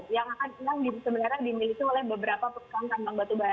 yang akan yang sebenarnya dimiliki oleh beberapa perusahaan tambang batu bara